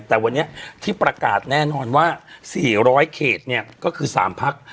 แต่วันนี้ที่ประกาศแน่นอนว่าสี่ร้อยเขตเนี้ยก็คือสามพัก